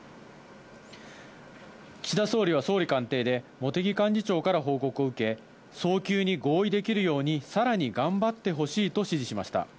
岸田総理は総理官邸で茂木幹事長から報告を受け、早急に合意できるように、さらに頑張ってほしいと指示しました。